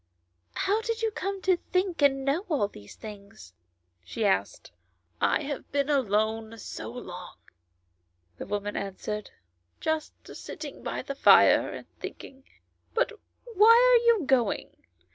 " How did you come to think and know all these things ?" she asked. " I have been alone so long," the woman answered, "just sitting by the fire thinking. But why are you going